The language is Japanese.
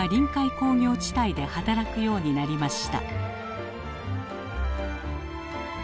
工業地帯で働くようになりました。